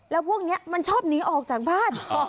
แล้วพวกนี้มันชอบหนีออกจากบ้าน